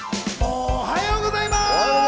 おはようございます！